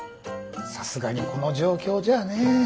さすがにこの状況じゃねえ。